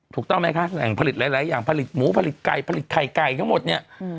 ถูกต้องไหมคะแหล่งผลิตหลายอย่างผลิตหมูผลิตไก่ผลิตไข่ไก่ทั้งหมดเนี่ย